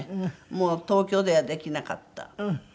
もう東京ではできなかったうん。